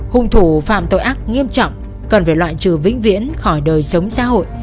hung thủ phạm tội ác nghiêm trọng cần phải loại trừ vĩnh viễn khỏi đời sống xã hội